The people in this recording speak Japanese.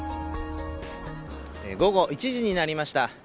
午後１時になりました。